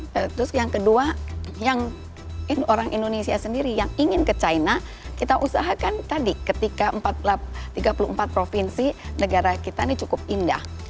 terus yang kedua yang orang indonesia sendiri yang ingin ke china kita usahakan tadi ketika tiga puluh empat provinsi negara kita ini cukup indah